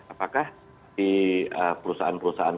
apakah di perusahaan perusahaan